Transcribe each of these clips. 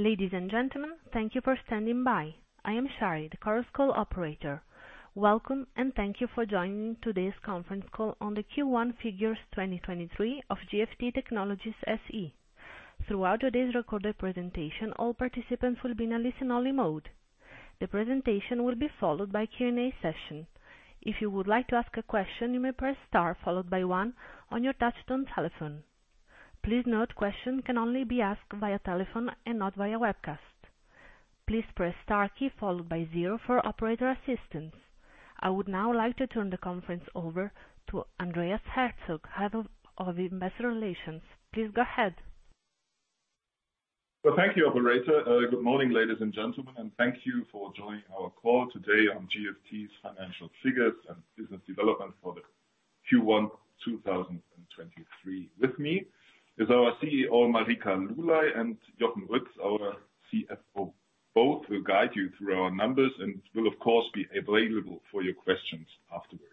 Ladies and gentlemen, thank you for standing by. I am Shari, the Chorus Call operator. Welcome and thank you for joining today's conference call on the Q1 figures 2023 of GFT Technologies SE. Throughout today's recorded presentation, all participants will be in a listen-only mode. The presentation will be followed by Q&A session. If you would like to ask a question, you may press star followed by one on your touchtone telephone. Please note, questions can only be asked via telephone and not via webcast. Please press star key followed by zero for operator assistance. I would now like to turn the conference over to Andreas Herzog, Head of Investor Relations. Please go ahead. Well, thank you, operator. Good morning, ladies and gentlemen, thank you for joining our call today on GFT's financial figures and business development for the Q1 2023. With me is our CEO, Marika Lulay, and Jochen Ruetz, our CFO. Both will guide you through our numbers and will of course be available for your questions afterwards.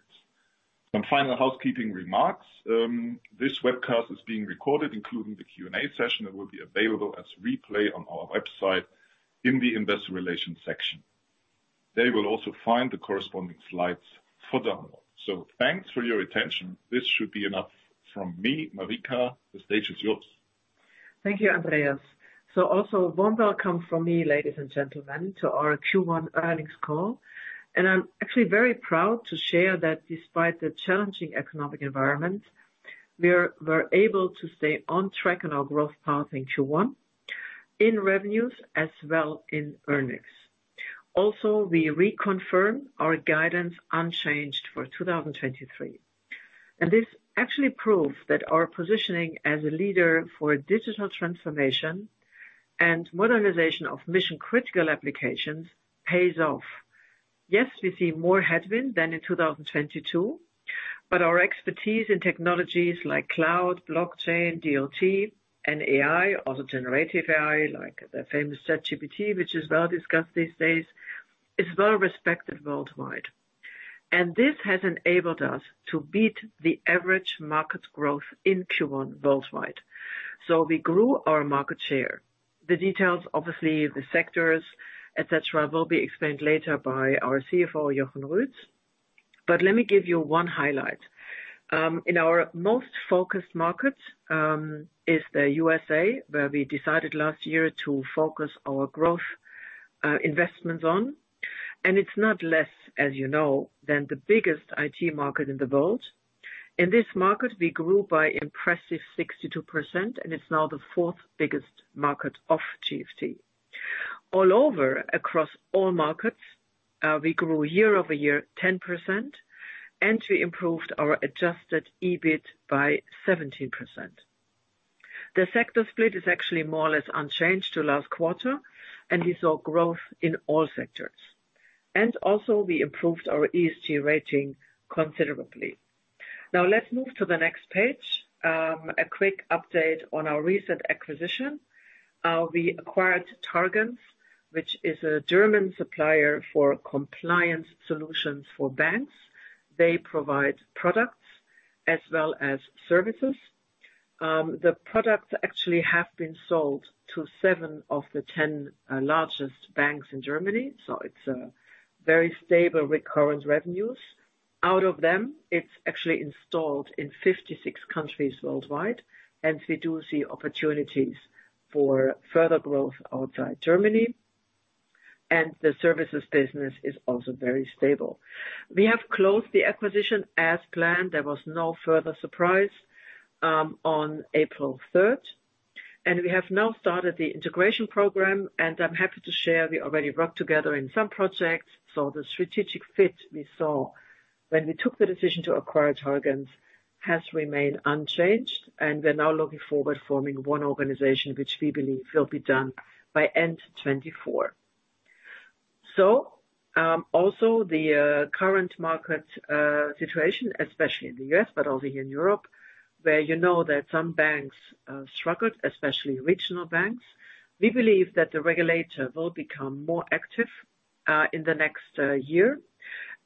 Some final housekeeping remarks. This webcast is being recorded, including the Q&A session. It will be available as replay on our website in the investor relations section. There you will also find the corresponding slides for download. Thanks for your attention. This should be enough from me. Marika, the stage is yours. Thank you, Andreas. Also warm welcome from me, ladies and gentlemen, to our Q1 earnings call. I'm actually very proud to share that despite the challenging economic environment, we're able to stay on track on our growth path in Q1 in revenues as well in earnings. We reconfirm our guidance unchanged for 2023. This actually proves that our positioning as a leader for digital transformation and modernization of mission-critical applications pays off. Yes, we see more headwind than in 2022, but our expertise in technologies like cloud, blockchain, DLT, and AI, also generative AI, like the famous ChatGPT, which is well discussed these days, is well-respected worldwide. This has enabled us to beat the average market growth in Q1 worldwide. We grew our market share. The details, obviously the sectors, et cetera, will be explained later by our CFO, Jochen Ruetz. Let me give you 1 highlight. In our most focused market is the USA, where we decided last year to focus our growth investments on, and it's not less, as you know, than the biggest IT market in the world. In this market, we grew by impressive 62%, it's now the 4th biggest market of GFT. All over, across all markets, we grew year-over-year 10%, we improved our adjusted EBIT by 17%. The sector split is actually more or less unchanged to last quarter, we saw growth in all sectors. Also, we improved our ESG rating considerably. Now let's move to the next page. A quick update on our recent acquisition. We acquired Targens, which is a German supplier for compliance solutions for banks. They provide products as well as services. The products actually have been sold to 7 of the 10 largest banks in Germany, so it's very stable recurrent revenues. Out of them, it's actually installed in 56 countries worldwide, and we do see opportunities for further growth outside Germany, and the services business is also very stable. We have closed the acquisition as planned. There was no further surprise on April 3rd. We have now started the integration program, and I'm happy to share we already worked together in some projects. The strategic fit we saw when we took the decision to acquire Targens has remained unchanged. We're now looking forward forming 1 organization which we believe will be done by end 2024. Also the current market situation, especially in the U.S., but also here in Europe, where you know that some banks struggled, especially regional banks. We believe that the regulator will become more active in the next year.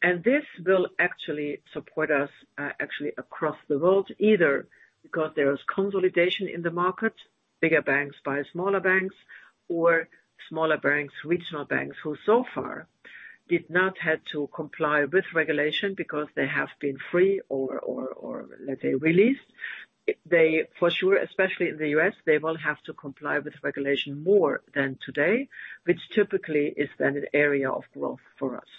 This will actually support us actually across the world, either because there is consolidation in the market, bigger banks buy smaller banks or smaller banks, regional banks, who so far did not have to comply with regulation because they have been free or, let's say, released. They, for sure, especially in the U.S., they will have to comply with regulation more than today, which typically is then an area of growth for us.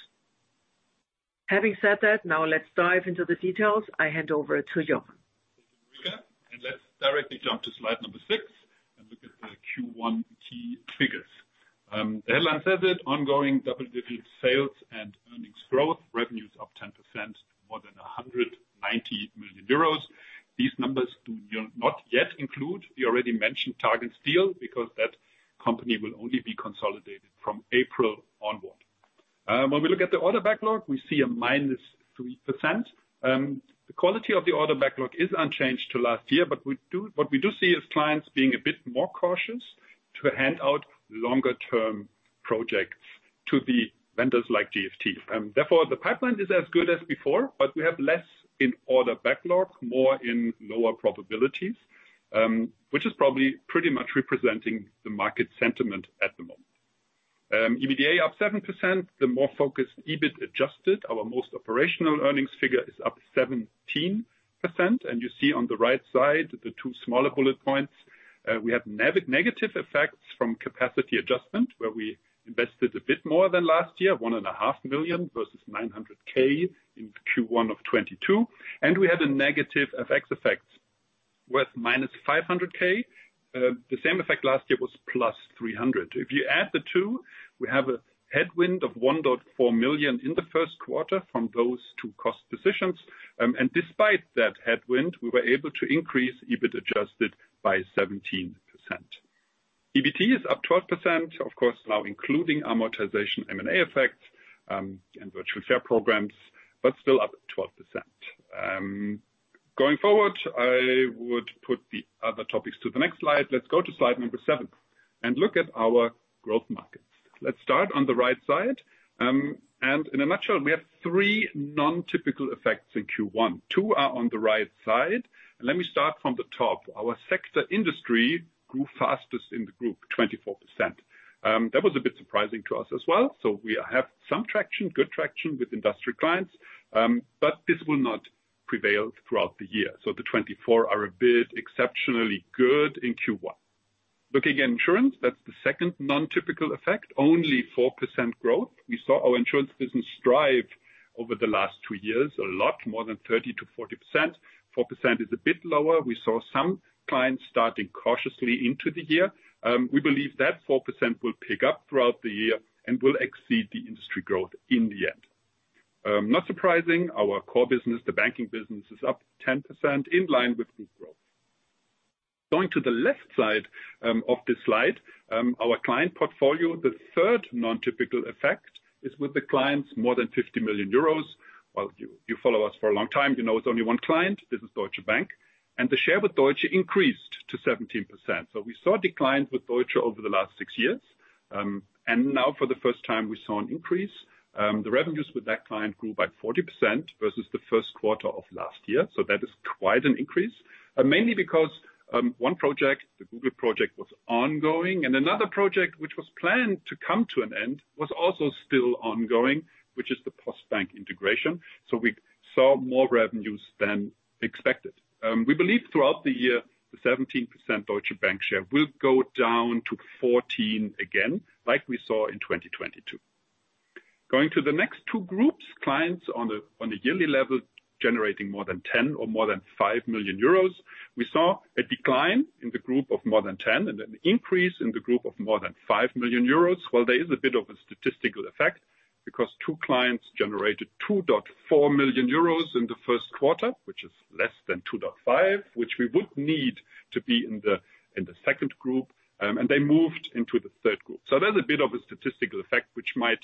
Having said that, now let's dive into the details. I hand over to Jochen. Marika. Let's directly jump to slide number 6 and look at the Q1 key figures. The headline says it, ongoing double-digit sales and earnings growth, revenues up 10%, more than 190 million euros. These numbers do not yet include the already mentioned Targens deal because that company will only be consolidated from April onward. When we look at the order backlog, we see a -3%. The quality of the order backlog is unchanged to last year, but what we do see is clients being a bit more cautious to hand out longer-term contracts-projects to the vendors like GFT. Therefore, the pipeline is as good as before, but we have less in order backlog, more in lower probabilities, which is probably pretty much representing the market sentiment at the moment. EBITDA up 7%. The more focused EBIT adjusted, our most operational earnings figure is up 17%. You see on the right side, the two smaller bullet points, we have negative effects from capacity adjustment, where we invested a bit more than last year, 1.5 million versus 900 thousand in Q1 of 2022. We had a negative FX effect with -500 thousand. The same effect last year was +300 thousand. If you add the two, we have a headwind of 1.4 million in the first quarter from those two cost decisions. Despite that headwind, we were able to increase EBIT adjusted by 17%. EBT is up 12%, of course, now including amortization, M&A effects, and virtual share programs, but still up 12%. Going forward, I would put the other topics to the next slide. Let's go to slide number seven and look at our growth markets. Let's start on the right side. In a nutshell, we have three non-typical effects in Q1. Two are on the right side. Let me start from the top. Our sector industry grew fastest in the group, 24%. That was a bit surprising to us as well. We have some traction, good traction with industry clients, but this will not prevail throughout the year. The 24 are a bit exceptionally good in Q1. Looking at insurance, that's the second non-typical effect, only 4% growth. We saw our insurance business strive over the last two years a lot, more than 30%-40%. 4% is a bit lower. We saw some clients starting cautiously into the year. We believe that 4% will pick up throughout the year and will exceed the industry growth in the end. Not surprising, our core business, the banking business, is up 10% in line with group growth. Going to the left side of this slide, our client portfolio, the third non-typical effect is with the clients more than 50 million euros. Well, you follow us for a long time, you know it's only one client. This is Deutsche Bank. The share with Deutsche increased to 17%. We saw declines with Deutsche over the last six years. Now for the first time, we saw an increase. The revenues with that client grew by 40% versus the first quarter of last year. That is quite an increase, mainly because one project, the Google project, was ongoing, and another project, which was planned to come to an end, was also still ongoing, which is the Postbank integration. We saw more revenues than expected. We believe throughout the year, the 17% Deutsche Bank share will go down to 14% again, like we saw in 2022. Going to the next two groups, clients on the yearly level, generating more than 10 or more than 5 million euros, we saw a decline in the group of more than 10 and an increase in the group of more than 5 million euros. Well, there is a bit of a statistical effect because 2 clients generated 2.4 million euros in the first quarter. Less than 2.5, which we would need to be in the second group. They moved into the third group. There's a bit of a statistical effect which might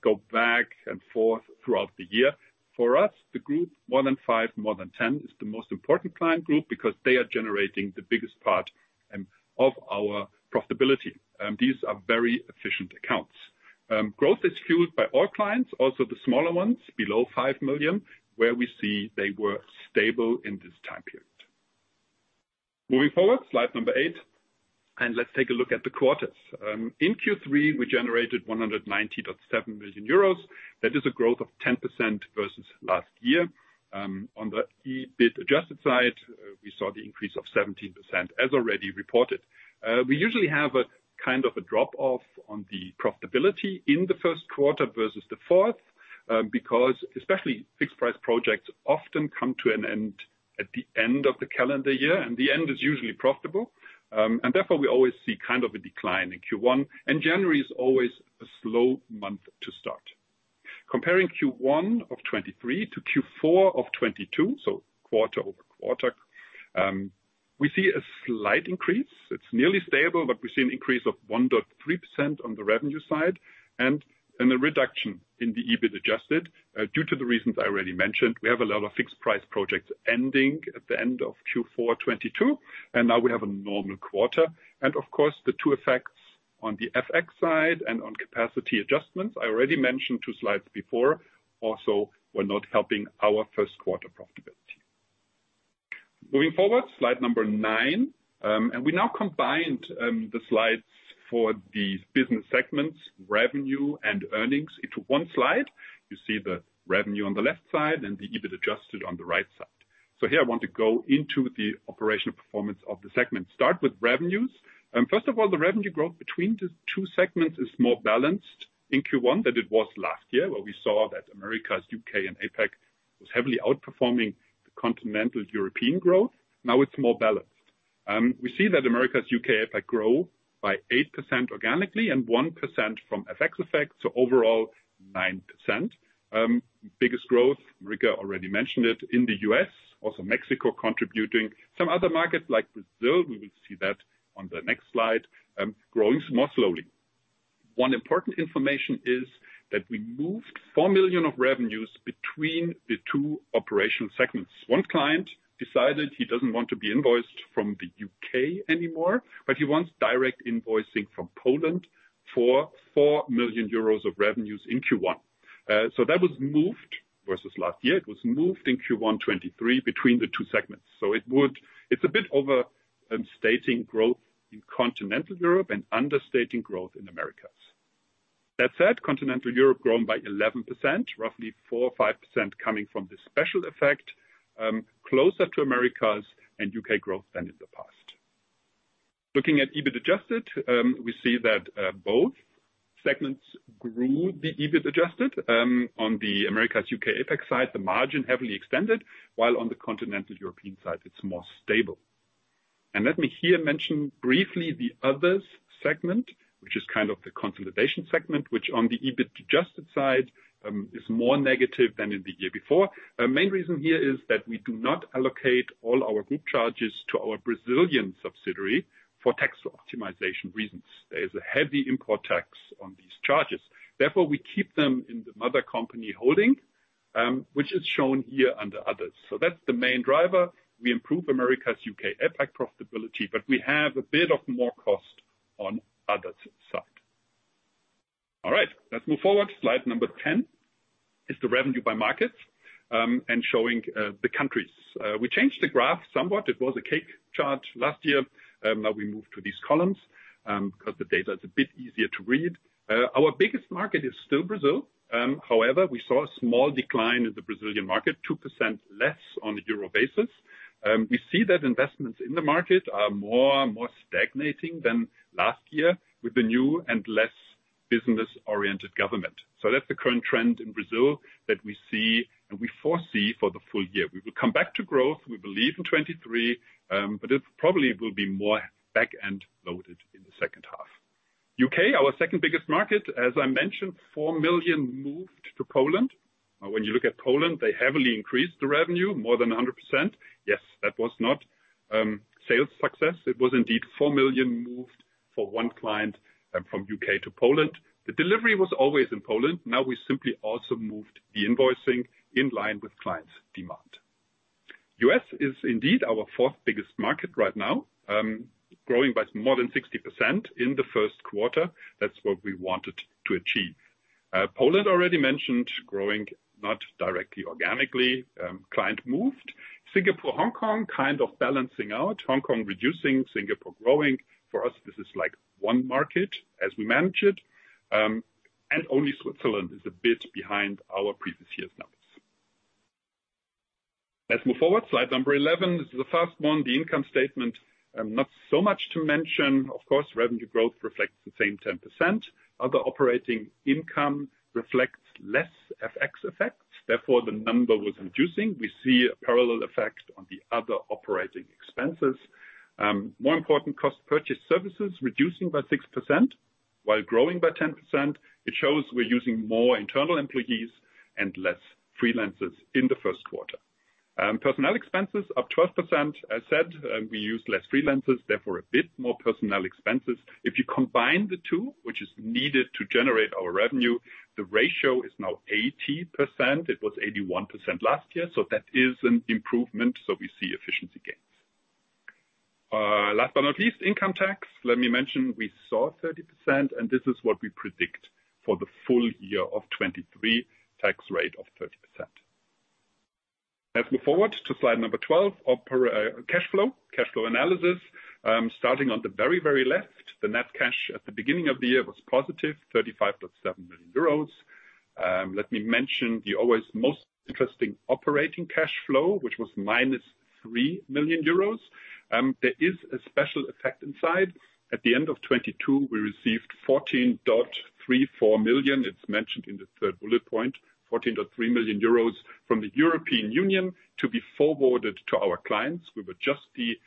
go back and forth throughout the year. For us, the group more than 5, more than 10 is the most important client group because they are generating the biggest part of our profitability. These are very efficient accounts. Growth is fueled by all clients, also the smaller ones below 5 million, where we see they were stable in this time period. Moving forward, slide number 8, let's take a look at the quarters. In Q3, we generated 197 million euros. That is a growth of 10% versus last year. On the EBIT adjusted side, we saw the increase of 17% as already reported. We usually have a kind of a drop-off on the profitability in the first quarter versus the fourth, because especially fixed price projects often come to an end at the end of the calendar year, and the end is usually profitable. Therefore, we always see kind of a decline in Q1, and January is always a slow month to start. Comparing Q1 of 2023 to Q4 of 2022, so quarter-over-quarter, we see a slight increase. It's nearly stable, but we see an increase of 1.3% on the revenue side and a reduction in the EBIT adjusted due to the reasons I already mentioned. We have a lot of fixed price projects ending at the end of Q4 2022, and now we have a normal quarter. Of course, the two effects on the FX side and on capacity adjustments, I already mentioned two slides before, also were not helping our first quarter profitability. Moving forward, slide number nine. We now combined the slides for these business segments, revenue and earnings into one slide. You see the revenue on the left side and the EBIT adjusted on the right side. Here I want to go into the operational performance of the segment. Start with revenues. First of all, the revenue growth between the two segments is more balanced in Q1 than it was last year, where we saw that Americas, U.K., and APAC was heavily outperforming the continental European growth. Now it's more balanced. We see that Americas, U.K., APAC grow by 8% organically and 1% from FX effects, so overall 9%. Biggest growth, Marika Lulay already mentioned it, in the U.S., also Mexico contributing. Some other markets like Brazil, we will see that on the next slide, growing more slowly. One important information is that we moved 4 million of revenues between the two operational segments. One client decided he doesn't want to be invoiced from the U.K. anymore, but he wants direct invoicing from Poland for 4 million euros of revenues in Q1. That was moved versus last year. It was moved in Q1 2023 between the two segments. It's a bit overstating growth in Continental Europe and understating growth in Americas. That said, Continental Europe grown by 11%, roughly 4% or 5% coming from the special effect, closer to Americas and U.K growth than in the past. Looking at EBIT adjusted, we see that both segments grew the EBIT adjusted, on the Americas, U.K., APAC side, the margin heavily extended, while on the Continental European side, it's more stable. Let me here mention briefly the others segment, which is kind of the consolidation segment, which on the EBIT adjusted side, is more negative than in the year before. Our main reason here is that we do not allocate all our group charges to our Brazilian subsidiary for tax optimization reasons. There is a heavy import tax on these charges. Therefore, we keep them in the mother company holding, which is shown here under others. That's the main driver. We improve Americas, U.K., APAC profitability. We have a bit of more cost on other side. All right, let's move forward. Slide number 10 is the revenue by markets and showing the countries. We changed the graph somewhat. It was a cake chart last year. Now we moved to these columns 'cause the data is a bit easier to read. Our biggest market is still Brazil. However, we saw a small decline in the Brazilian market, 2% less on a EUR basis. We see that investments in the market are more stagnating than last year with the new and less business-oriented government. That's the current trend in Brazil that we see and we foresee for the full year. We will come back to growth, we believe in 2023, it probably will be more back-end loaded in the second half. U.K., our second biggest market, as I mentioned, 4 million moved to Poland. You look at Poland, they heavily increased the revenue more than 100%. That was not sales success. It was indeed 4 million moved for one client from U.K. to Poland. The delivery was always in Poland. We simply also moved the invoicing in line with clients' demand. US is indeed our fourth biggest market right now, growing by more than 60% in the first quarter. That's what we wanted to achieve. Poland already mentioned growing not directly organically, client moved. Singapore, Hong Kong, kind of balancing out. Hong Kong reducing, Singapore growing. For us, this is like one market as we manage it. Only Switzerland is a bit behind our previous year's numbers. Let's move forward. Slide number 11. This is the first one, the income statement. Not so much to mention. Of course, revenue growth reflects the same 10%. Other operating income reflects less FX effects. Therefore, the number was reducing. We see a parallel effect on the other operating expenses. More important, cost purchase services reducing by 6% while growing by 10%. It shows we're using more internal employees and less freelancers in the first quarter. Personnel expenses up 12%. As said, we use less freelancers, therefore, a bit more personnel expenses. If you combine the two, which is needed to generate our revenue, the ratio is now 80%. It was 81% last year, so that is an improvement, so we see efficiency gains. Last but not least, income tax. Let me mention, we saw 30%, and this is what we predict for the full year of 2023, tax rate of 30%. Let's move forward to slide number 12. Cash flow analysis. Starting on the very left, the net cash at the beginning of the year was positive, 35.7 million euros. Let me mention the always most interesting operating cash flow, which was minus 3 million euros. There is a special effect inside. At the end of 2022, we received 14.34 million. It's mentioned in the third bullet point, 14.3 million euros from the European Union to be forwarded to our clients. We were just the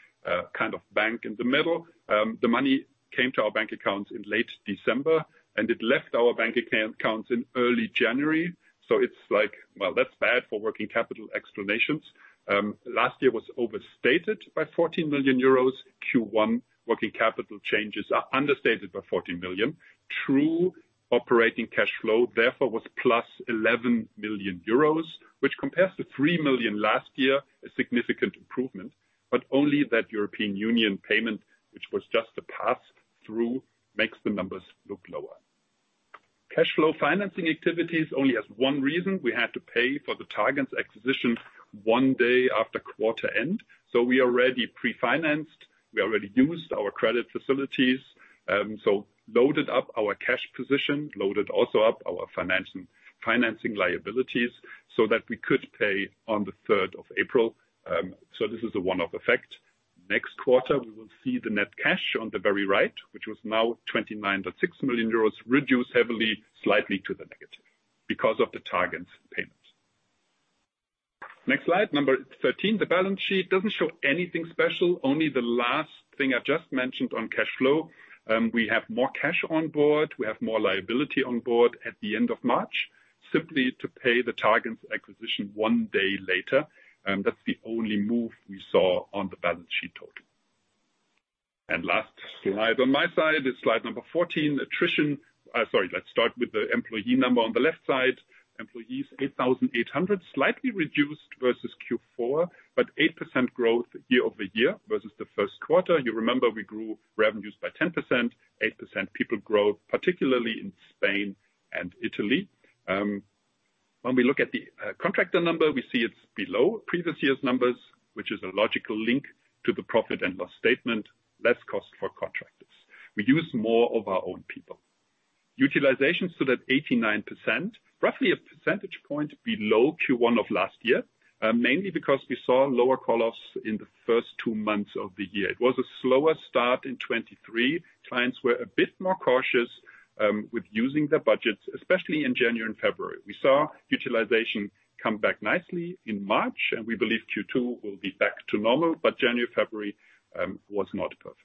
kind of bank in the middle. The money came to our bank accounts in late December, and it left our bank accounts in early January. It's like, well, that's bad for working capital explanations. Last year was overstated by 14 million euros. Q1 working capital changes are understated by 14 million. True operating cash flow, therefore, was +11 million euros, which compares to 3 million last year, a significant improvement. Only that European Union payment, which was just a pass-through, makes the numbers look lower. Cash flow financing activities only has one reason. We had to pay for the Targens acquisition one day after quarter end. We already pre-financed, we already used our credit facilities, loaded up our cash position, loaded also up our financing liabilities so that we could pay on the third of April. This is a one-off effect. Next quarter, we will see the net cash on the very right, which was now 29.6 million euros, reduced heavily, slightly to the negative because of the Targens payment. Next slide, number 13. The balance sheet doesn't show anything special, only the last thing I just mentioned on cash flow. We have more cash on board, we have more liability on board at the end of March, simply to pay the Targens acquisition one day later. That's the only move we saw on the balance sheet total. Last slide on my side is slide number 14. Attrition. Sorry, let's start with the employee number on the left side. Employees, 8,800, slightly reduced versus Q4, but 8% growth year-over-year versus the first quarter. You remember we grew revenues by 10%, 8% people growth, particularly in Spain and Italy. When we look at the contractor number, we see it's below previous year's numbers, which is a logical link to the profit and loss statement. Less cost for contractors. We use more of our own people. Utilization stood at 89%, roughly a percentage point below Q1 of last year, mainly because we saw lower call-offs in the first two months of the year. It was a slower start in 2023. Clients were a bit more cautious with using their budgets, especially in January and February. We saw utilization come back nicely in March, and we believe Q2 will be back to normal, but January, February, was not perfect.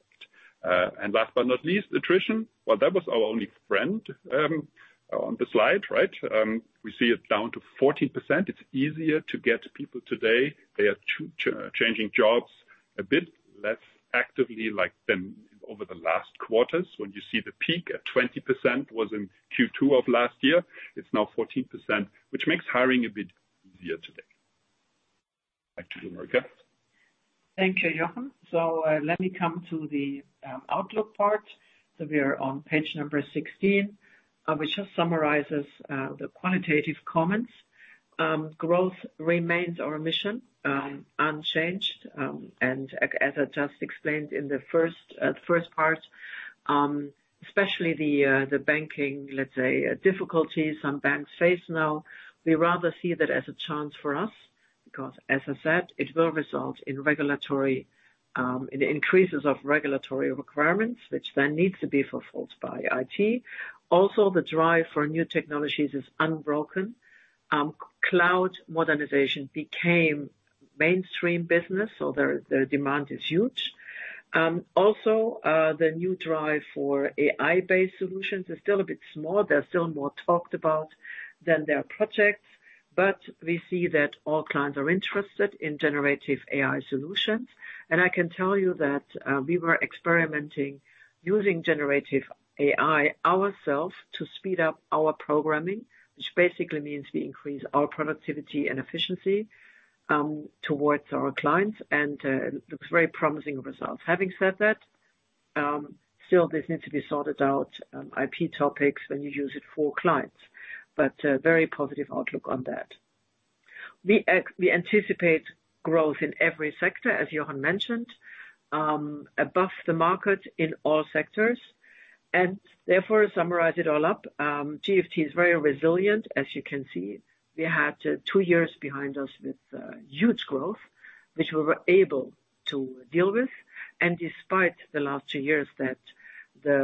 Last but not least, attrition. Well, that was our only friend on the slide, right? We see it down to 14%. It's easier to get people today. They are changing jobs a bit less actively like than over the last quarters. When you see the peak at 20% was in Q2 of last year. It's now 14%, which makes hiring a bit easier today. Back to you, Marika. Thank you, Jochen. Let me come to the outlook part. We are on page number 16, which just summarizes the qualitative comments. Growth remains our mission unchanged. As I just explained in the first part, especially the banking, let's say, difficulties some banks face now. We rather see that as a chance for us, because as I said, it will result in regulatory increases of regulatory requirements, which then needs to be fulfilled by IT. The drive for new technologies is unbroken. Cloud modernization became mainstream business, so the demand is huge. The new drive for AI-based solutions is still a bit small. They're still more talked about than their projects, but we see that all clients are interested in generative AI solutions. I can tell you that we were experimenting using generative AI ourselves to speed up our programming, which basically means we increase our productivity and efficiency towards our clients and looks very promising results. Having said that, still this needs to be sorted out IP topics when you use it for clients. Very positive outlook on that. We anticipate growth in every sector, as Jochen mentioned, above the market in all sectors. Therefore, summarize it all up, GFT is very resilient, as you can see. We had two years behind us with huge growth, which we were able to deal with. Despite the last two years that the,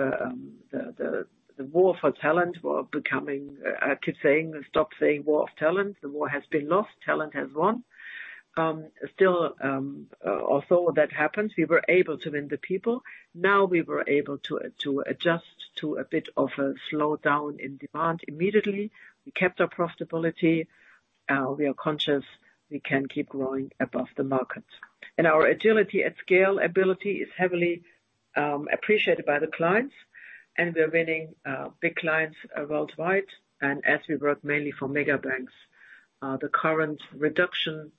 the war for talent were becoming. I keep saying, stop saying war of talent. The war has been lost. Talent has won. Still, although that happens, we were able to win the people. Now we were able to adjust to a bit of a slowdown in demand immediately. We kept our profitability. We are conscious we can keep growing above the market. Our agility at scale ability is heavily appreciated by the clients, and we're winning big clients worldwide. As we work mainly for mega banks, the current reduction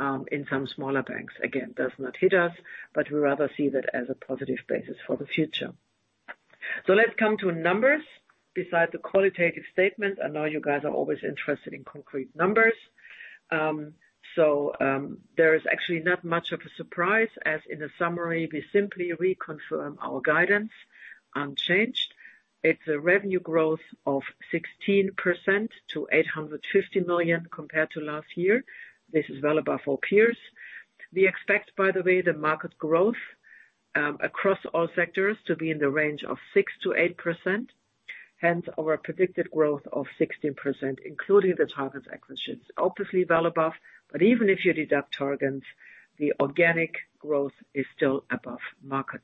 in some smaller banks, again, does not hit us, but we rather see that as a positive basis for the future. Let's come to numbers. Besides the qualitative statement, I know you guys are always interested in concrete numbers. There is actually not much of a surprise. As in the summary, we simply reconfirm our guidance unchanged. It's a revenue growth of 16% to 850 million compared to last year. This is well above all peers. We expect, by the way, the market growth across all sectors to be in the range of 6%-8%. Hence our predicted growth of 16%, including the Targens acquisitions, obviously well above. Even if you deduct Targens, the organic growth is still above market.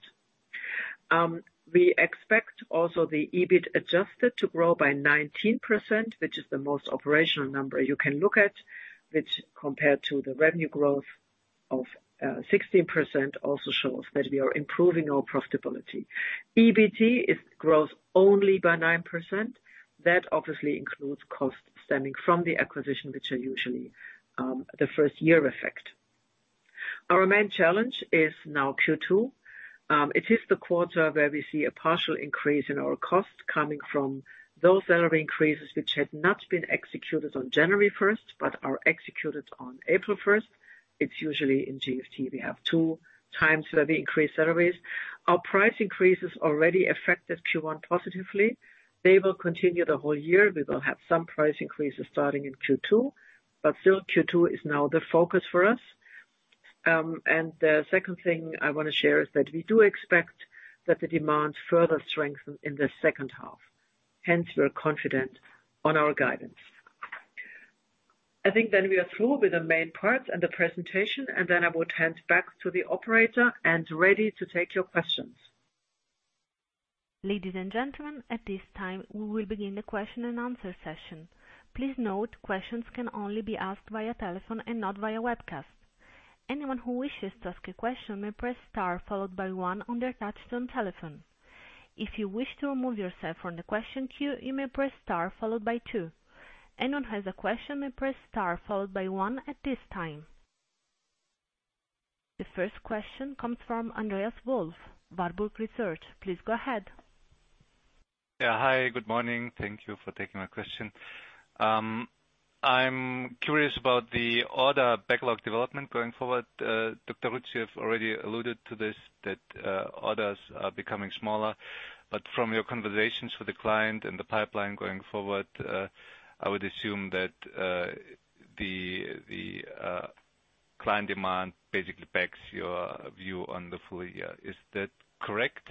We expect also the EBIT adjusted to grow by 19%, which is the most operational number you can look at, which compared to the revenue growth of 16% also shows that we are improving our profitability. EBT is growth only by 9%. That obviously includes costs stemming from the acquisition, which are usually the first year effect. Our main challenge is now Q2. It is the quarter where we see a partial increase in our costs coming from those salary increases which had not been executed on January first but are executed on April first. It's usually in GFT we have two times where we increase salaries. Our price increases already affected Q1 positively. They will continue the whole year. We will have some price increases starting in Q2, but still Q2 is now the focus for us. And the second thing I want to share is that we do expect that the demand further strengthen in the second half. Hence we're confident on our guidance. I think then we are through with the main part and the presentation, and then I would hand back to the operator and ready to take your questions. Ladies and gentlemen, at this time, we will begin the question and answer session. Please note, questions can only be asked via telephone and not via webcast. Anyone who wishes to ask a question may press star followed by one on their touch tone telephone. If you wish to remove yourself from the question queue, you may press star followed by two. Anyone who has a question may press star followed by one at this time. The first question comes from Andreas Wolf, Warburg Research. Please go ahead. Yeah. Hi, good morning. Thank you for taking my question. I'm curious about the order backlog development going forward. Dr. Ruetz, you have already alluded to this, that orders are becoming smaller. From your conversations with the client and the pipeline going forward, I would assume that the client demand basically backs your view on the full year. Is that correct?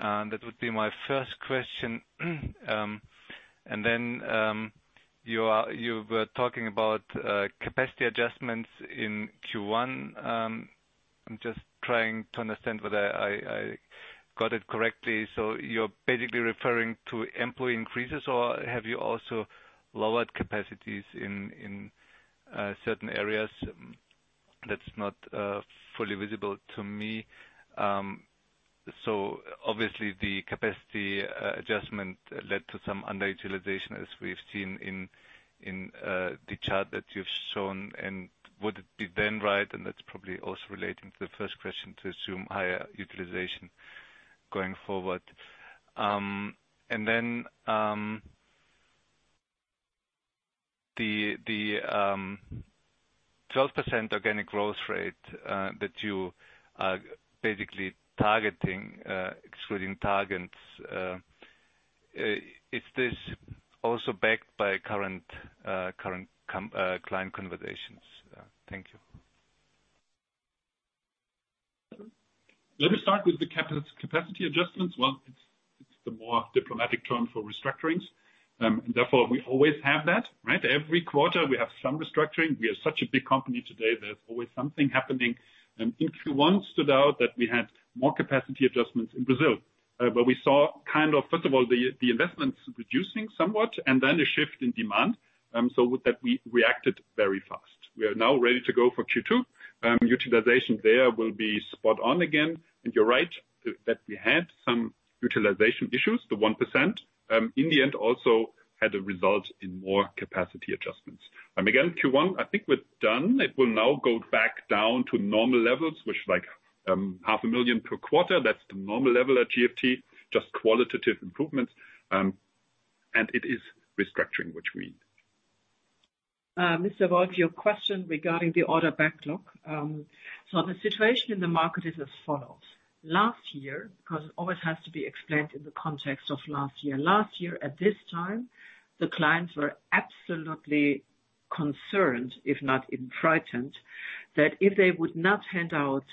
That would be my first question. You were talking about capacity adjustments in Q1. I'm just trying to understand whether I got it correctly. You're basically referring to employee increases or have you also lowered capacities in certain areas that's not fully visible to me? Obviously the capacity adjustment led to some underutilization, as we've seen in the chart that you've shown, and would it be then right, and that's probably also relating to the first question, to assume higher utilization going forward? Then the 12% organic growth rate that you are basically targeting, excluding targens, is this also backed by current client conversations? Thank you. Let me start with the capacity adjustments. Well, it's the more diplomatic term for restructurings, therefore we always have that, right? Every quarter we have some restructuring. We are such a big company today, there's always something happening. In Q1 stood out that we had more capacity adjustments in Brazil, where we saw kind of, first of all, the investments reducing somewhat and then a shift in demand. With that we reacted very fast. We are now ready to go for Q2. Utilization there will be spot on again. You're right that we had some utilization issues, the 1%, in the end also had a result in more capacity adjustments. Again, Q1, I think we're done. It will now go back down to normal levels, which like, EUR half a million per quarter. That's the normal level at GFT, just qualitative improvements. It is restructuring, which we need. Mr. Wolf, your question regarding the order backlog. The situation in the market is as follows: Last year, 'cause it always has to be explained in the context of last year, last year at this time, the clients were absolutely concerned, if not even frightened, that if they would not hand out,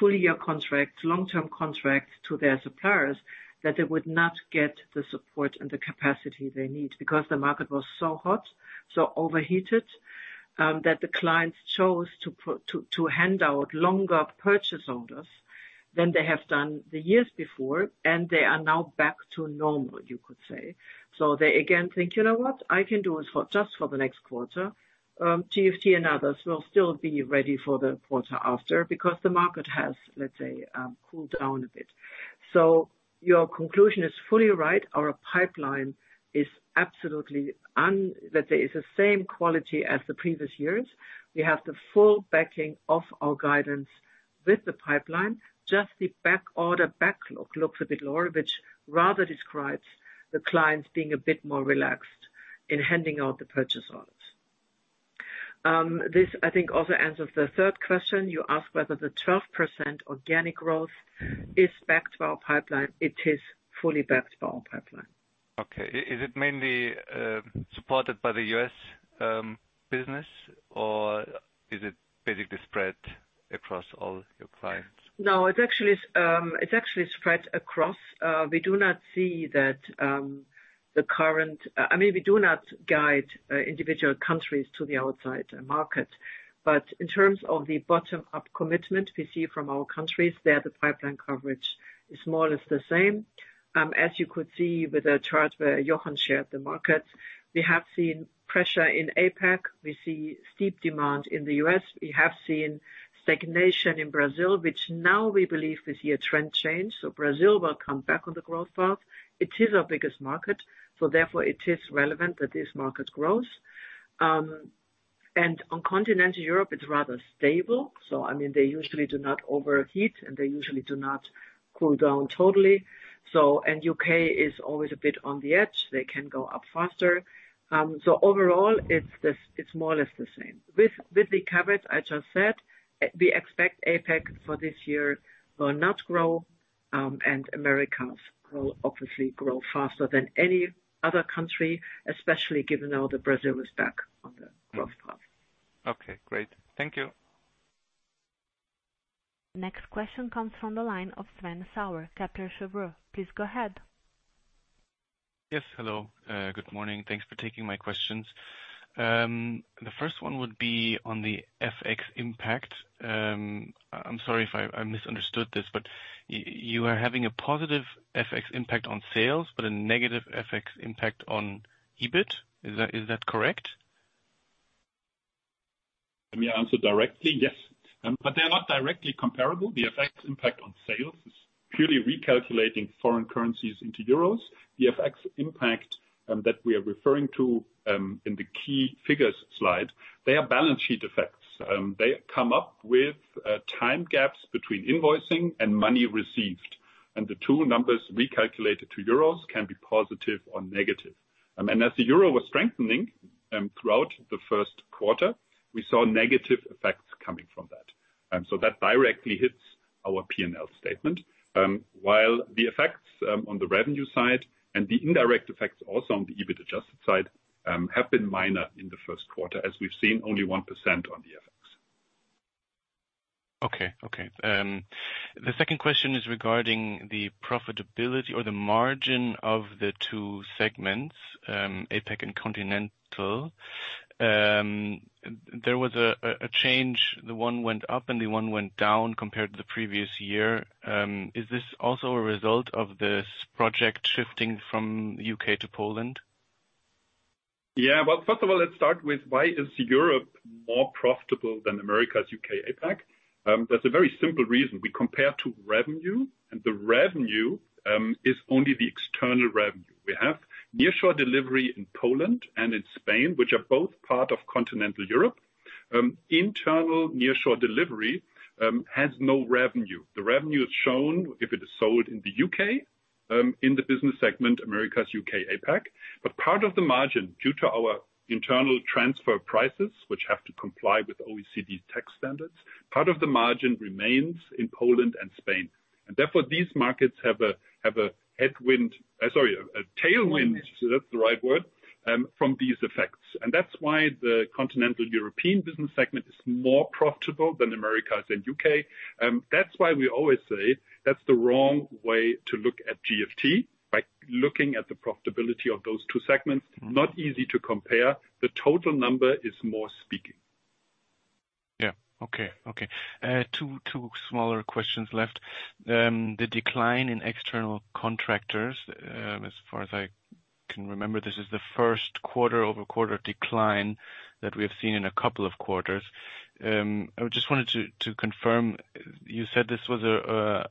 full year contracts, long-term contracts to their suppliers, that they would not get the support and the capacity they need. The market was so hot, so overheated, that the clients chose to hand out longer purchase orders than they have done the years before. They are now back to normal, you could say. They again think, "You know what? I can do it for, just for the next quarter. GFT and others will still be ready for the quarter after because the market has, let's say, cooled down a bit. Your conclusion is fully right. Our pipeline is absolutely, let's say, is the same quality as the previous years. We have the full backing of our guidance with the pipeline. Just the back order backlog looks a bit lower, which rather describes the clients being a bit more relaxed in handing out the purchase orders. This, I think, also answers the third question. You ask whether the 12% organic growth is backed by our pipeline. It is fully backed by our pipeline. Okay. Is it mainly supported by the U.S. business or is it basically spread across all your clients? It's actually spread across. We do not see that, I mean, we do not guide individual countries to the outside market. In terms of the bottom-up commitment we see from our countries, there the pipeline coverage is more or less the same. As you could see with the charts where Jochen shared the markets, we have seen pressure in APAC. We see steep demand in the U.S. We have seen stagnation in Brazil, which now we believe we see a trend change, Brazil will come back on the growth path. It is our biggest market, therefore it is relevant that this market grows. On Continental Europe it's rather stable, I mean, they usually do not overheat, they usually do not cool down totally. U.K. is always a bit on the edge. They can go up faster. overall it's more or less the same. With the coverage I just said, we expect APAC for this year will not grow, and Americas will obviously grow faster than any other country, especially given now that Brazil is back on the growth path. Okay, great. Thank you. Next question comes from the line of Sven Sauer, Kepler Cheuvreux. Please go ahead. Yes. Hello. Good morning. Thanks for taking my questions. The first one would be on the FX impact. I'm sorry if I misunderstood this, but you are having a positive FX impact on sales but a negative FX impact on EBIT. Is that correct? Let me answer directly, yes. They are not directly comparable. The FX impact on sales is purely recalculating foreign currencies into EUR. The FX impact, that we are referring to, in the key figures slide, they are balance sheet effects. They come up with time gaps between invoicing and money received. The two numbers recalculated to EUR can be positive or negative. I mean, as the EUR was strengthening, throughout the first quarter, we saw negative effects coming from that. That directly hits our P&L statement, while the effects, on the revenue side and the indirect effects also on the EBIT adjusted side, have been minor in the first quarter as we've seen only 1% on the FX. Okay. Okay. The second question is regarding the profitability or the margin of the two segments, APAC and Continental. There was a change. The one went up and the one went down compared to the previous year. Is this also a result of this project shifting from U.K. to Poland? Yeah. Well, first of all, let's start with why is Europe more profitable than Americas, U.K., APAC? That's a very simple reason. We compare to revenue, and the revenue, is only the external revenue. We have nearshore delivery in Poland and in Spain, which are both part of continental Europe. Internal nearshore delivery, has no revenue. The revenue is shown if it is sold in the U.K., in the business segment, Americas, U.K., APAC. Part of the margin, due to our internal transfer prices, which have to comply with OECD tax standards, part of the margin remains in Poland and Spain. Therefore, these markets have a headwind, sorry, a tailwind, that's the right word, from these effects. That's why the continental European business segment is more profitable than Americas and U.K.. That's why we always say that's the wrong way to look at GFT by looking at the profitability of those two segments. Not easy to compare. The total number is more speaking. Yeah. Okay. Okay. two smaller questions left. The decline in external contractors, as far as I can remember, this is the first quarter-over-quarter decline that we have seen in a couple of quarters. I just wanted to confirm, you said this was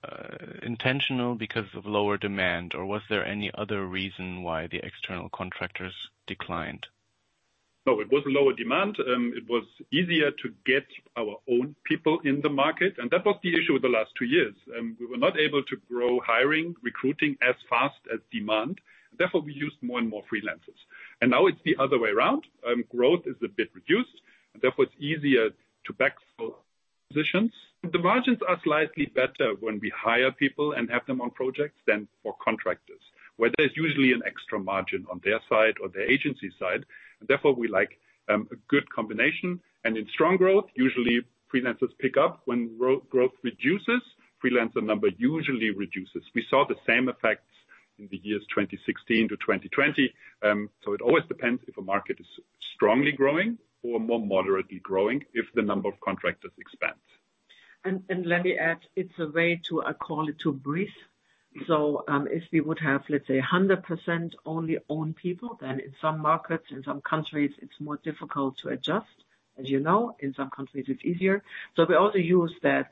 intentional because of lower demand, or was there any other reason why the external contractors declined? No, it was lower demand. It was easier to get our own people in the market, that was the issue the last 2 years. We were not able to grow hiring, recruiting as fast as demand. Therefore, we used more and more freelancers. Now it's the other way around. Growth is a bit reduced, therefore it's easier to backfill positions. The margins are slightly better when we hire people and have them on projects than for contractors, where there's usually an extra margin on their side or the agency side. Therefore, we like a good combination. In strong growth, usually freelancers pick up. When growth reduces, freelancer number usually reduces. We saw the same effects in the years 2016-2020. It always depends if a market is strongly growing or more moderately growing, if the number of contractors expands. Let me add, it's a way to, I call it, to breathe. If we would have, let's say, 100% only own people, then in some markets, in some countries, it's more difficult to adjust. As you know, in some countries, it's easier. We also use that,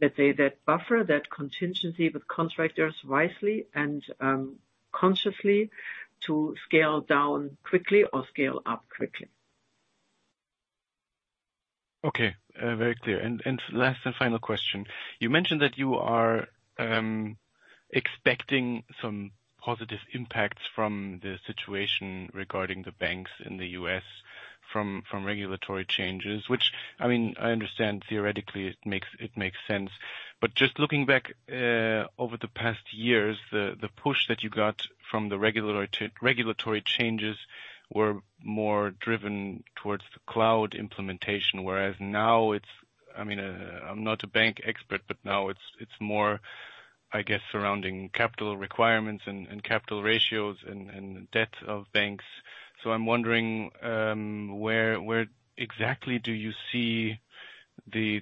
let's say, that buffer, that contingency with contractors wisely and consciously to scale down quickly or scale up quickly. Okay, very clear. Last and final question. You mentioned that you are expecting some positive impacts from the situation regarding the banks in the US from regulatory changes, which, I mean, I understand theoretically it makes sense. Just looking back over the past years, the push that you got from the regulatory changes were more driven towards the cloud implementation, whereas now it's. I mean, I'm not a bank expert, but now it's more, I guess, surrounding capital requirements and capital ratios and debt of banks. I'm wondering where exactly do you see the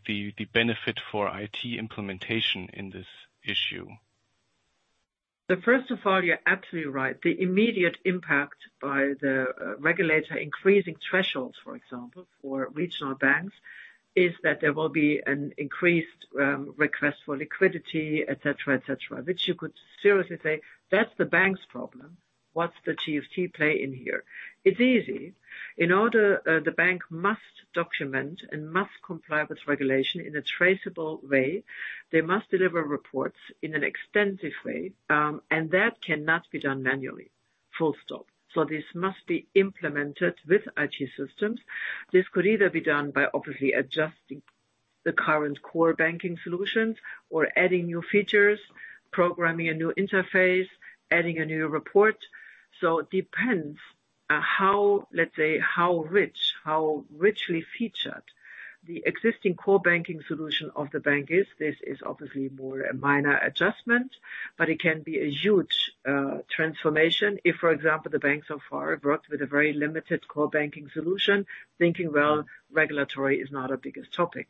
benefit for IT implementation in this issue? First of all, you're absolutely right. The immediate impact by the regulator increasing thresholds, for example, for regional banks, is that there will be an increased request for liquidity, et cetera, et cetera, which you could seriously say that's the bank's problem. What's the GFT play in here? It's easy. In order, the bank must document and must comply with regulation in a traceable way. They must deliver reports in an extensive way, that cannot be done manually, full stop. This must be implemented with IT systems. This could either be done by obviously adjusting the current core banking solutions or adding new features, programming a new interface, adding a new report. It depends, how, let's say, how rich, how richly featured the existing core banking solution of the bank is. This is obviously more a minor adjustment, but it can be a huge transformation if, for example, the bank so far worked with a very limited core banking solution, thinking, well, regulatory is not our biggest topic.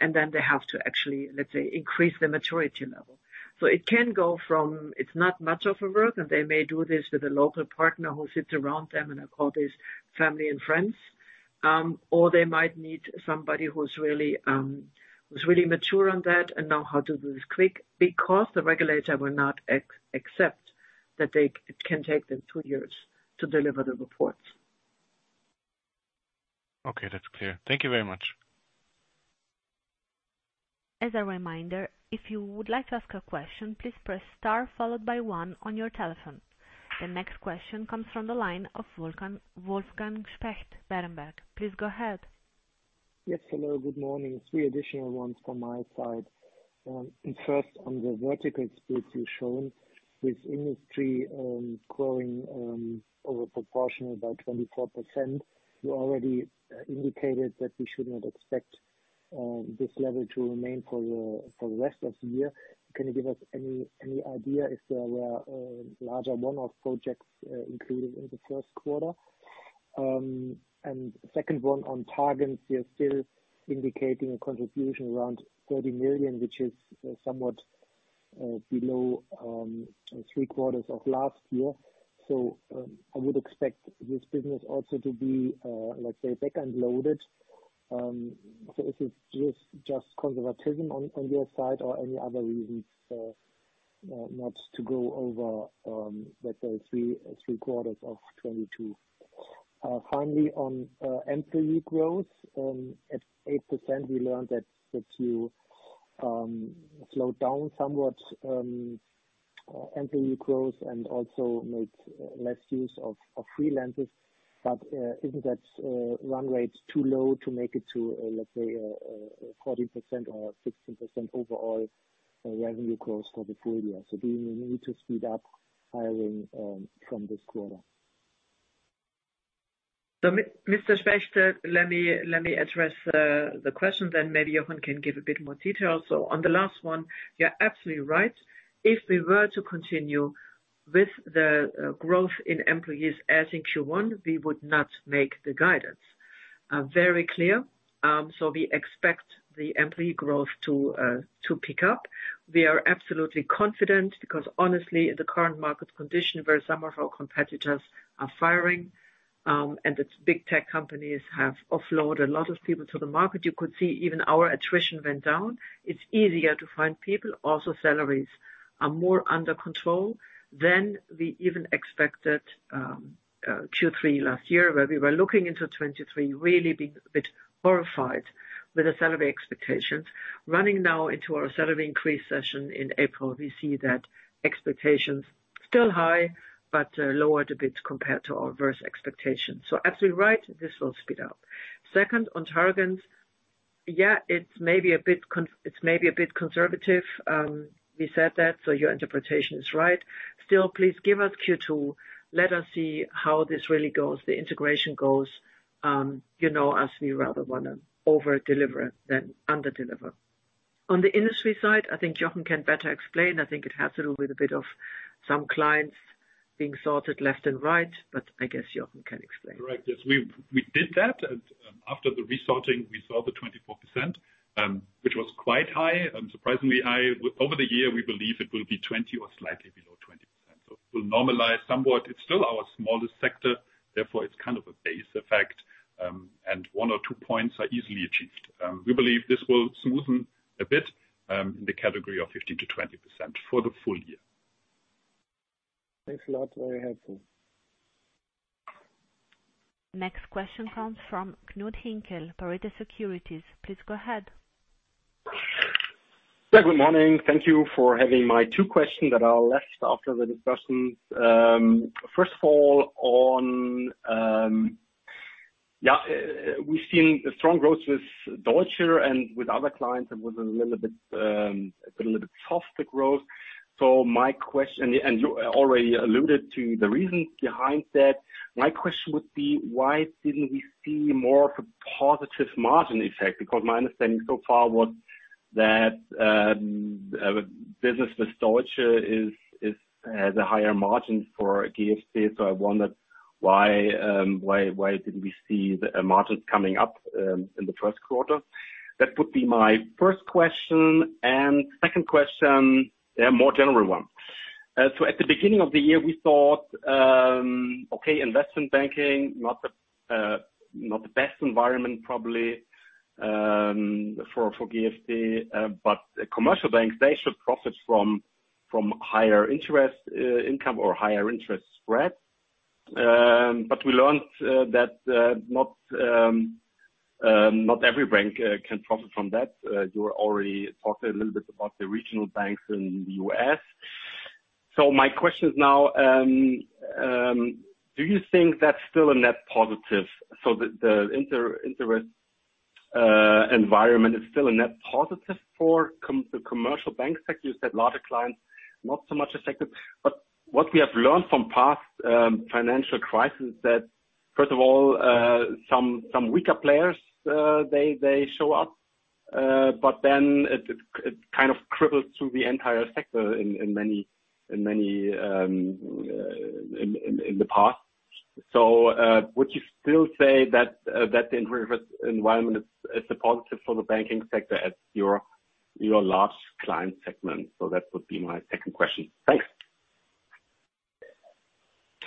Then they have to actually, let's say, increase the maturity level. It can go from, it's not much of a work, and they may do this with a local partner who sits around them, and I call this family and friends. They might need somebody who's really mature on that and know how to do this quick because the regulator will not accept that it can take them 2 years to deliver the reports. Okay, that's clear. Thank you very much. As a reminder, if you would like to ask a question, please press star followed by one on your telephone. The next question comes from the line of Wolfgang Specht, Berenberg. Please go ahead. Yes. Hello, good morning. Three additional ones from my side. First, on the vertical splits you're showing with industry, growing over proportional by 24%. You already indicated that we should not expect this level to remain for the rest of the year. Can you give us any idea if there were larger one-off projects included in the first quarter? Second one on Targens, you're still indicating a contribution around 30 million, which is somewhat below three quarters of last year. I would expect this business also to be, let's say, back-end loaded. Is this just conservatism on your side or any other reasons for not to go over, let's say three quarters of 2022? Finally, on employee growth, at 8%, we learned that you slowed down somewhat, employee growth and also made less use of freelancers. Isn't that run rate too low to make it to, let's say, 40% or 60% overall revenue growth for the full year? Do you need to speed up hiring from this quarter? Mr. Specht, let me address the question then maybe Jochen can give a bit more detail. On the last one, you're absolutely right. If we were to continue with the growth in employees as in Q1, we would not make the guidance. Very clear, we expect the employee growth to pick up. We are absolutely confident because honestly, the current market condition where some of our competitors are firing, and the big tech companies have offloaded a lot of people to the market, you could see even our attrition went down. It's easier to find people. Also, salaries are more under control than we even expected Q3 last year, where we were looking into 2023, really being a bit horrified with the salary expectations. Running now into our salary increase session in April, we see that expectations still high, lower a bit compared to our worst expectations. Absolutely right, this will speed up. Second, on targens, it's maybe a bit conservative, we said that, your interpretation is right. Still, please give us Q2. Let us see how this really goes, the integration goes. You know, as we rather wanna over-deliver than under-deliver. On the industry side, I think Jochen can better explain. I think it has to do with a bit of some clients being sorted left and right, I guess Jochen can explain. Right. Yes. We did that. After the resorting, we saw the 24%, which was quite high, surprisingly high. Over the year, we believe it will be 20% or slightly below 20%. It will normalize somewhat. It's still our smallest sector, therefore it's kind of a base effect, and 1 or 2 points are easily achieved. We believe this will smoothen a bit in the category of 15%-20% for the full year. Thanks a lot. Very helpful. Next question comes from Knud Hinkel, Pareto Securities. Please go ahead. Good morning. Thank you for having my two questions that are left after the discussions. First of all, on, yeah, we've seen strong growth with Deutsche and with other clients and with a little bit, it's been a little bit softer growth. My question, and you already alluded to the reasons behind that. My question would be, why didn't we see more of a positive margin effect? Because my understanding so far was that business with Deutsche is the higher margin for GFT. I wondered why didn't we see the margins coming up in the first quarter? That would be my first question. Second question, a more general one. At the beginning of the year, we thought, okay, investment banking, not the best environment probably, for GFT, but commercial banks, they should profit from higher interest, income or higher interest spread. We learned, that not every bank can profit from that. You already talked a little bit about the regional banks in the U.S. My question is now, do you think that's still a net positive? The inter-interest environment is still a net positive for the commercial bank sector? You said larger clients, not so much affected. What we have learned from past financial crisis that first of all, some weaker players, they show up, but then it kind of cripples through the entire sector in many, in many, in the past. Would you still say that the interest environment is a positive for the banking sector as your large client segment? That would be my second question. Thanks.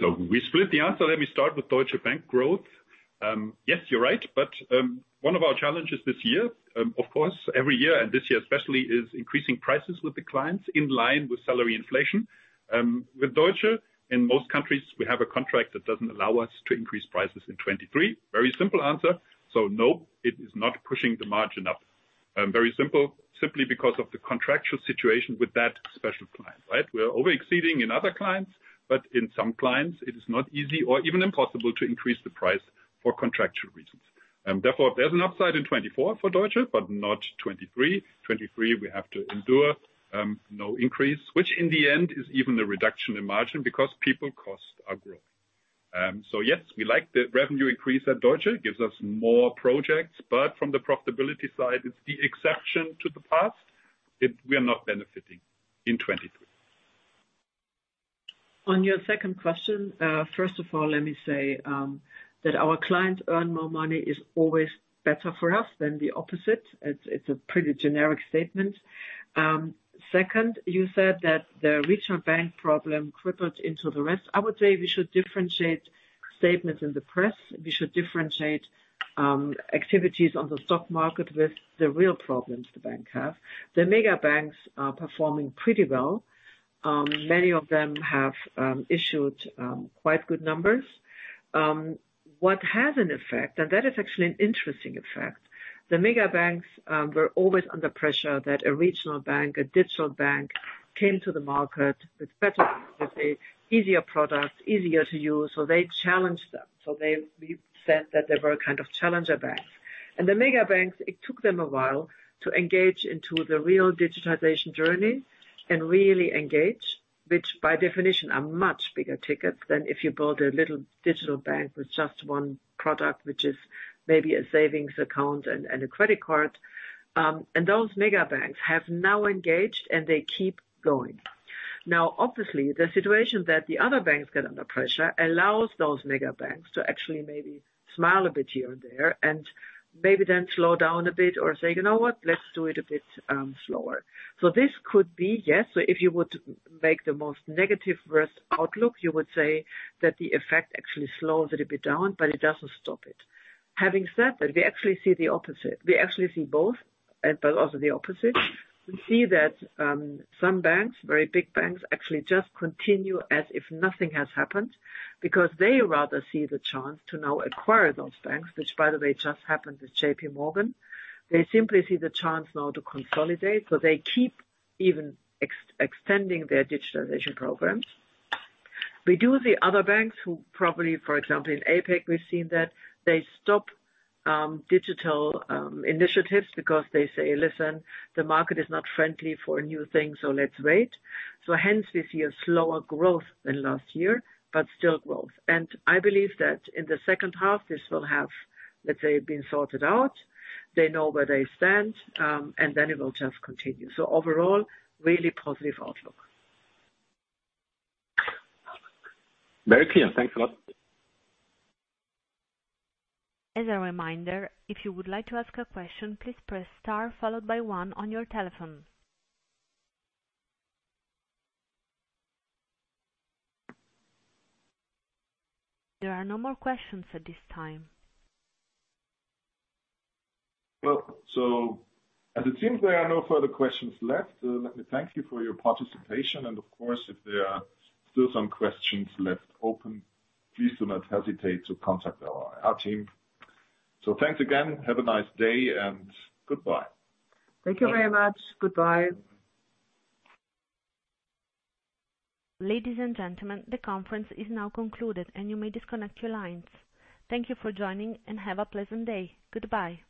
We split the answer. Let me start with Deutsche Bank growth. Yes, you're right. One of our challenges this year, of course, every year, and this year especially, is increasing prices with the clients in line with salary inflation. With Deutsche, in most countries, we have a contract that doesn't allow us to increase prices in 2023. Very simple answer. No, it is not pushing the margin up. Very simple, simply because of the contractual situation with that special client, right? We are over-exceeding in other clients, but in some clients it is not easy or even impossible to increase the price for contractual reasons. Therefore there's an upside in 2024 for Deutsche, but not 2023. 2023, we have to endure, no increase, which in the end is even a reduction in margin because people costs are growing. Yes, we like the revenue increase at Deutsche, gives us more projects, from the profitability side, it's the exception to the past. We are not benefiting in 2023. On your second question, first of all, let me say that our clients earn more money is always better for us than the opposite. It's a pretty generic statement. Second, you said that the regional bank problem crippled into the rest. I would say we should differentiate statements in the press. We should differentiate activities on the stock market with the real problems the bank have. The mega banks are performing pretty well. Many of them have issued quite good numbers. What has an effect, and that is actually an interesting effect. The mega banks were always under pressure that a regional bank, a digital bank, came to the market with better, with a easier product, easier to use, so they challenged them. We said that they were kind of challenger banks. The mega banks, it took them a while to engage into the real digitization journey and really engage, which by definition are much bigger tickets than if you build a little digital bank with just one product, which is maybe a savings account and a credit card. Those mega banks have now engaged, and they keep going. Obviously, the situation that the other banks get under pressure allows those mega banks to actually maybe smile a bit here and there and maybe then slow down a bit or say, "You know what? Let's do it a bit slower." This could be, yes. If you would make the most negative worst outlook, you would say that the effect actually slows it a bit down, but it doesn't stop it. Having said that, we actually see the opposite. We actually see both, but also the opposite. We see that some banks, very big banks, actually just continue as if nothing has happened because they rather see the chance to now acquire those banks, which by the way, just happened with JPMorgan. They simply see the chance now to consolidate, they keep even extending their digitalization programs. We do the other banks who probably, for example, in APAC, we've seen that they stop digital initiatives because they say, "Listen, the market is not friendly for new things, so let's wait." Hence we see a slower growth than last year, but still growth. I believe that in the second half, this will have, let's say, been sorted out. They know where they stand, and then it will just continue. Overall, really positive outlook. Very clear. Thanks a lot. As a reminder, if you would like to ask a question, please press star followed by one on your telephone. There are no more questions at this time. As it seems there are no further questions left, let me thank you for your participation. Of course, if there are still some questions left open, please do not hesitate to contact our team. Thanks again. Have a nice day and goodbye. Thank you very much. Goodbye. Ladies and gentlemen, the conference is now concluded and you may disconnect your lines. Thank you for joining, and have a pleasant day. Goodbye.